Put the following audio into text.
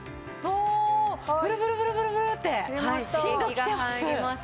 おブルブルブルブルブルって振動きてます。